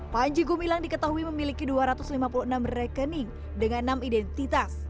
panji gumilang diketahui memiliki dua ratus lima puluh enam rekening dengan enam identitas